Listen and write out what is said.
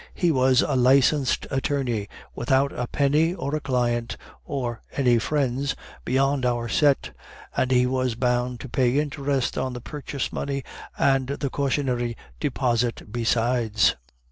He was a licensed attorney, without a penny, or a client, or any friends beyond our set; and he was bound to pay interest on the purchase money and the cautionary deposit besides."